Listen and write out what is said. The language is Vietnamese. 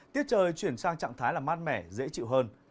tiết trời chuyển sang trạng thái là mát mẻ dễ chịu hơn